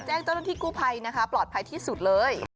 แจ้งเจ้าหน้าที่กู้ภัยนะคะปลอดภัยที่สุดเลย